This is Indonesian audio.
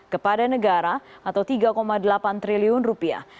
kepada negara atau tiga delapan triliun rupiah